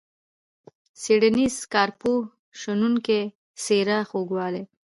څیړنیز، کارپوه ، شنونکی ، څیره، خوږوالی.